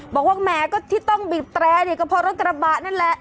บอกว่าแหมก็ที่ต้องบีบแตรเนี่ยก็เพราะรถกระบะนั่นแหละ